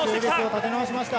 立て直しました。